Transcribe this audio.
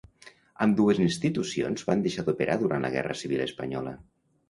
Ambdues institucions van deixar d'operar durant la Guerra Civil Espanyola.